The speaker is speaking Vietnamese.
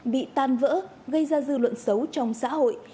bị tan vỡ gây ra dư luận xấu trong xã hội